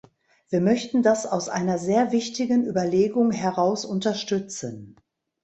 Wir möchten das aus einer sehr wichtigen Überlegung heraus unterstützen.